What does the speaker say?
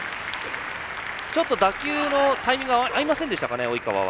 ちょっと打球のタイミング合いませんでしたか、及川は。